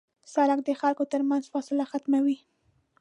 سړک د خلکو تر منځ فاصله ختموي.